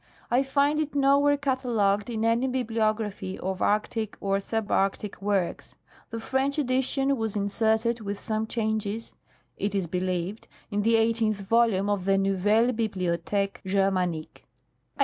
I find it nowhere catalogued in any bibliography of arctic or subarctic works. The French edition was inserted, with some changes, it is believed, in the eighteenth voluiue of the Nouvelle Bibliotheque Germanique.